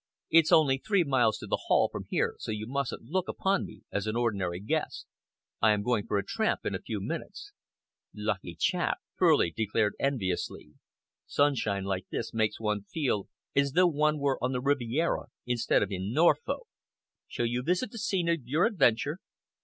It's only three miles to the Hall from here so you mustn't look upon me as an ordinary guest. I am going for a tramp in a few minutes." "Lucky chap!" Furley declared enviously. "Sunshine like this makes one feel as though one were on the Riviera instead of in Norfolk. Shall you visit the scene of your adventure?"